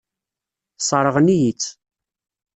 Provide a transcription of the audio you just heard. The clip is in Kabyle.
Sseṛɣen-iyi-tt.